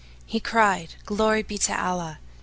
He cried, "Glory be to Allah!